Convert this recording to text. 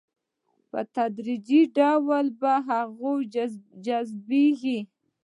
په تدريجي ډول په هغه کې جذبيږي.